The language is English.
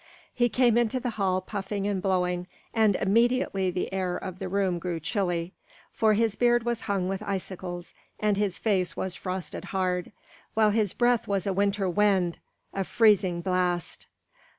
He came into the hall puffing and blowing, and immediately the air of the room grew chilly; for his beard was hung with icicles and his face was frosted hard, while his breath was a winter wind, a freezing blast.